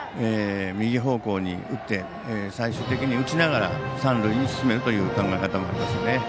右方向に打って最終的に打ちながら三塁に進めるという考え方もありますね。